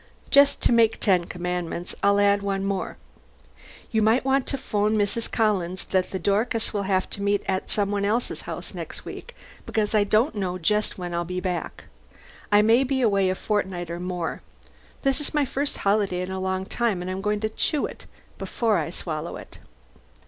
Just to make ten commandments, I'll add one more: You might 'phone to Mrs. Collins that the Dorcas will have to meet at some one else's house next week, because I don't know just when I'll get back. I may be away a fortnight more. This is my first holiday in a long time and I'm going to chew it before I swallow it.